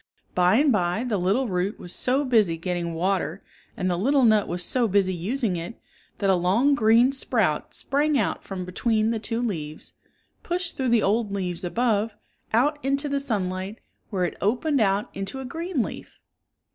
By and by the little root was so busy getting water and the little nut was so busy using it, that a long gr.een sprout sprang 76 out ffom between the two leaves, pushed through the old leaves above, out into the sunlight, where it opened out into a green leaf.